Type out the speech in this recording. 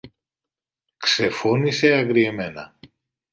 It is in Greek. ξεφώνισε αγριεμένα